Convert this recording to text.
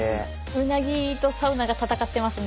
うなぎとサウナが戦ってますね。